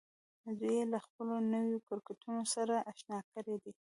دوی يې له خپلو نويو کرکټرونو سره اشنا کړي دي.